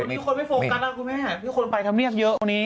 พี่คนไม่โฟล์กันคุณแม่ไปทำเรียบเยอะตรงนี้